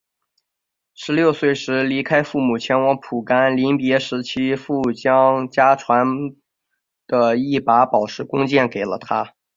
十六岁时离开父母前往蒲甘临别时其父将家传的一把宝石弓箭给了他。